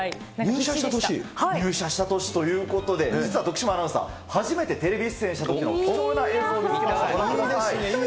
入社した年ということで、実は徳島アナウンサー、初めてテレビ出演したときの貴重な映像をご覧ください。